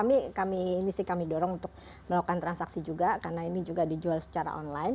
ini sih kami dorong untuk melakukan transaksi juga karena ini juga dijual secara online